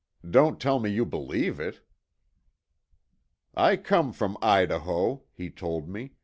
"Don't tell me you believe it?" "I come from Idaho," he told me.